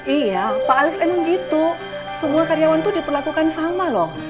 iya pak alex emang gitu semua karyawan tuh diperlakukan sama loh